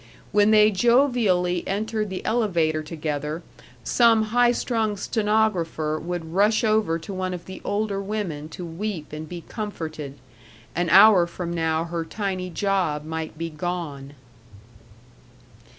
When they jovially entered the elevator together, some high strung stenographer would rush over to one of the older women to weep and be comforted.... An hour from now her tiny job might be gone.